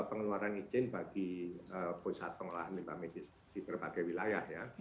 pengeluaran izin bagi pusat pengolahan limbah medis di berbagai wilayah ya